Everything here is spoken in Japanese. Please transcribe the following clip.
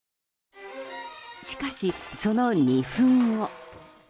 しかし、その２分後。